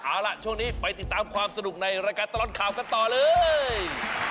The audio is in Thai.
เอาล่ะช่วงนี้ไปติดตามความสนุกในรายการตลอดข่าวกันต่อเลย